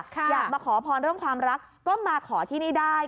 คุณผู้ชมพอร์นเรื่องความรักก็มาขอที่นี่ได้